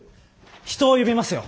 人を呼びますよ。